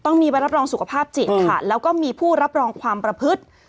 ต้องมีใบรับรองสุขภาพจิตค่ะแล้วก็มีผู้รับรองความประพฤติ